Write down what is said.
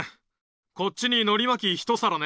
こっちにのりまきひと皿ね。